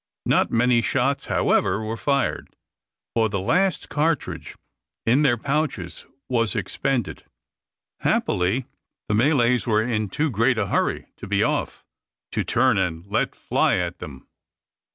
Not many shots, however, were fired, for the last cartridge in their pouches was expended. Happily, the Malays were in too great a hurry to be off, to turn and let fly at them.